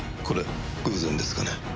これ偶然ですかね？